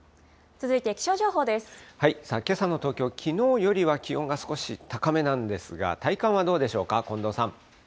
けさの東京、きのうよりは気温が少し高めなんですが、体感はどうでしょうか。